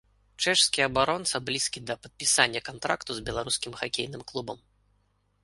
Чэшскі абаронца блізкі да падпісання кантракту з беларускім хакейным клубам.